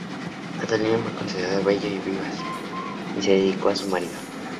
Catalina fue considerada bella y vivaz y se dedicó a su marido.